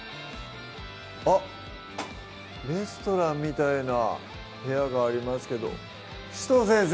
あっレストランみたいな部屋がありますけど紫藤先生！